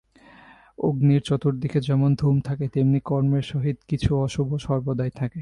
অগ্নির চতুর্দিকে যেমন ধূম থাকে, তেমনি কর্মের সহিত কিছু অশুভ সর্বদাই থাকে।